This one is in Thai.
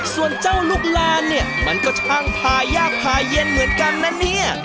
ส่วนเจ้าลูกลานเนี่ยมันก็ช่างพายากผ่าเย็นเหมือนกันนะเนี่ย